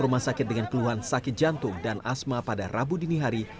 rumah sakit dengan keluhan sakit jantung dan asma pada rabu dini hari